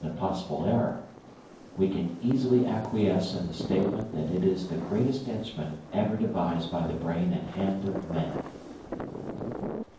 of possible error, we can easily acquiesce in the statement that it is the greatest instrument ever devised by the brain and hand of man."